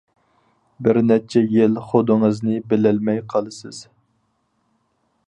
بىر نەچچە يىل خۇدىڭىزنى بىلەلمەي قالىسىز.